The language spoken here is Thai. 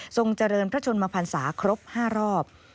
ทรงเจริญพระชนมภรรษาครบ๕รอบ